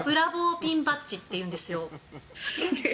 ピンバッジっていうんですよ。